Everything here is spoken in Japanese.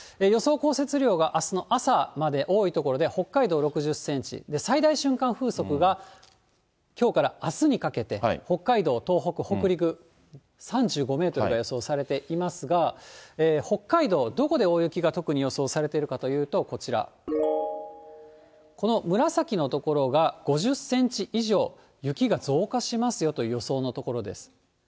予想降雪量があすの朝まで多い所では、北海道６０センチ、最大瞬間風速がきょうからあすにかけて、北海道、東北、北陸、３５メートルが予想されていますが、北海道、どこで大雪が特に予想されているかというと、こちら、この紫の所が５０センチ以上雪が増加しますよという予想の所です。